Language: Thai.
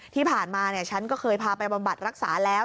ที่ผ่านมาฉันก็เคยพาไปบำบัดรักษาแล้ว